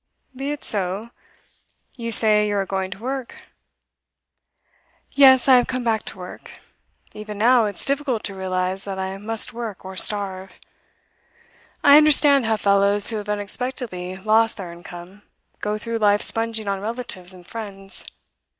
'Be it so. You say you are going to work?' 'Yes, I have come back to work. Even now, it's difficult to realise that I must work or starve. I understand how fellows who have unexpectedly lost their income go through life sponging on relatives and friends.